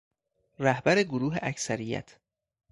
رهبر گروه اکثریت